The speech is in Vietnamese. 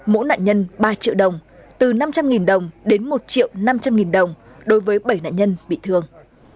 mỗi nạn nhân ba triệu đồng từ năm trăm linh đồng đến một triệu năm trăm linh nghìn đồng đối với bảy nạn nhân bị thương